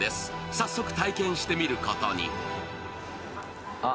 早速、体験してみることに。